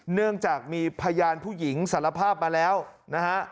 เนื่องจากมีพยานผู้หญิงสารภาพมาแล้วนะฮะ